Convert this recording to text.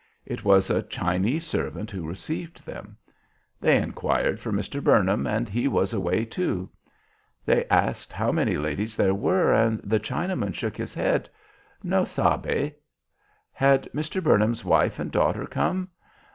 It was a Chinese servant who received them. They inquired for Mr. Burnham and he was away too. They asked how many ladies there were, and the Chinaman shook his head 'No sabe.' 'Had Mr. Burnham's wife and daughter come?'